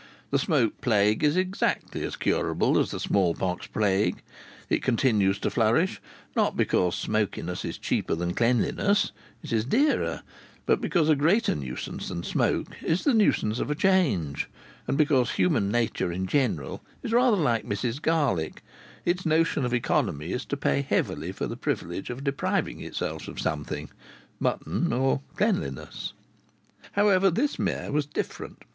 The smoke plague is exactly as curable as the small pox plague. It continues to flourish, not because smokiness is cheaper than cleanliness it is dearer but because a greater nuisance than smoke is the nuisance of a change, and because human nature in general is rather like Mrs Garlick: its notion of economy is to pay heavily for the privilege of depriving itself of something mutton or cleanliness. However, this mayor was different.